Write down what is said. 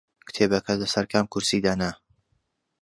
کتێبەکەت لەسەر کام کورسی دانا؟